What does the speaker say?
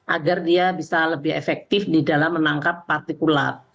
agar dia bisa lebih efektif di dalam menangkap partikulat